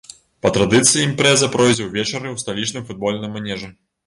Па традыцыі імпрэза пройдзе ўвечары ў сталічным футбольным манежы.